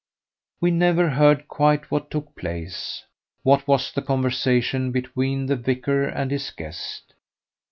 We never heard quite what took place what was the conversation between the vicar and his guest.